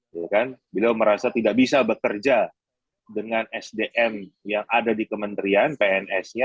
dia merasa tidak bisa bekerja dengan sdm yang ada di kementerian pns nya